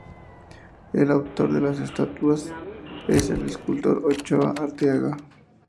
El autor de las estatuas es el escultor Ochoa de Arteaga.